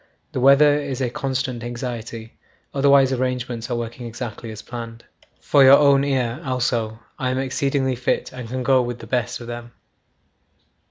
The weather is a constant anxiety, otherwise arrangements are working exactly as planned. 'For your own ear also, I am exceedingly fit and can go with the best of them.